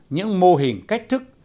những mô hình cách thức